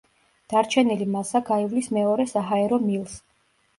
დარჩენილი მასა გაივლის მეორე საჰაერო მილს.